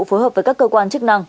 phối hợp với các cơ quan chức năng